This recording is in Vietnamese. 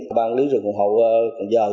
ủy ban lý rừng quản hộ cần giơ